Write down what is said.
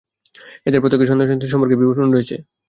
এদের প্রত্যেকের সন্তান-সন্ততি সম্পর্কেও বিবরণ রয়েছে।